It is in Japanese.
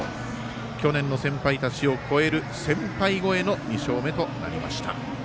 去年の先輩たちを超える先輩超えの２勝目となりました。